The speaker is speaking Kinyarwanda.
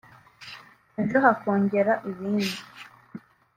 ejo hakongera ibindi